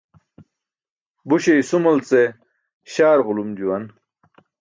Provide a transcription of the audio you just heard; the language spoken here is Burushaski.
Buśe isumal ce śaar ġulum juwan.